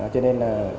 cho nên là